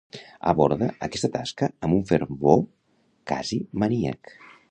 Aborda aquesta tasca amb un fervor quasi maníac.